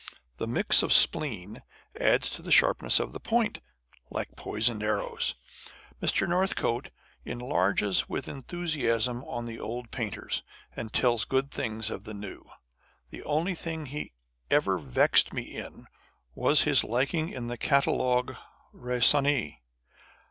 The mixture of spleen adds to the sharpness of the point, like poisoned arrows. Mr. North On the Conversation of Authors. 51 cote enlarges with enthusiasm on the old painters, and tells good things of the new. The only thing he ever vexed me in was his liking the Catalogue Itaisonnee.